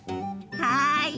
はい！